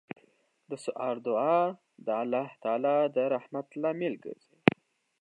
• د سهار دعا د الله د رحمت لامل دی.